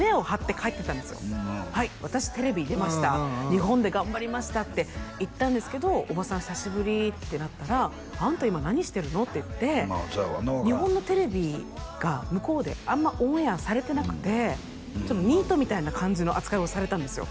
「日本で頑張りました」って言ったんですけど「おばさん久しぶり」ってなったら「あんた今何してるの？」って言って日本のテレビが向こうであんまオンエアされてなくてニートみたいな感じの扱いをされたんですよ